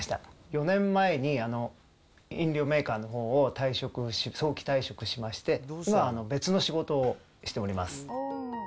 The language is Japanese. ４年前に飲料メーカーのほうを退職をし、早期退職をしまして、今は別の仕事をしております。